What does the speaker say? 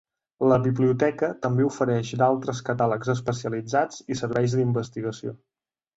La biblioteca també ofereix d'altres catàlegs especialitzats i serveis d'investigació.